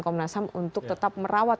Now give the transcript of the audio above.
komnas ham untuk tetap merawat